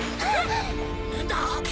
何だ？